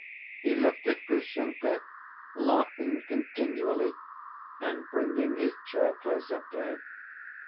He looked at Grushenka, laughing continually, and bringing his chair close up to her.